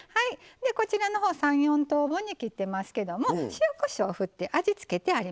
でこちらの方３４等分に切ってますけども塩こしょう振って味付けてあります。